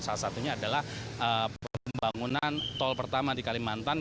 salah satunya adalah pembangunan tol pertama di kalimantan